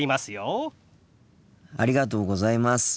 ありがとうございます。